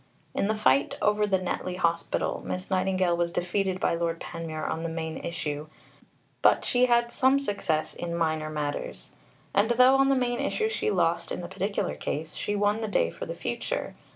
In the fight over the Netley Hospital, Miss Nightingale was defeated by Lord Panmure on the main issue; but she had some success in minor matters; and, though on the main issue she lost in the particular case, she won the day for the future.